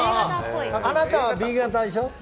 あなたはＢ型でしょ？